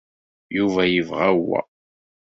Yuba yebɣa wa.